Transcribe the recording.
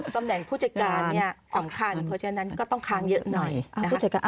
ตำแหน่งผู้จัดการเนี่ยสำคัญเพราะฉะนั้นก็ต้องค้างเยอะหน่อย